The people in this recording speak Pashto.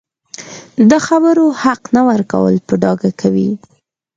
د خبرو حق نه ورکول په ډاګه کوي